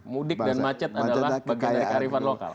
mudik dan macet adalah bagian dari